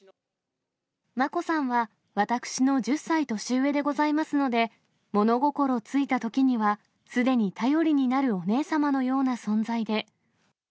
眞子さんは私の１０歳年上でございますので、物心ついたときにはすでに頼りになるお姉様のような存在で。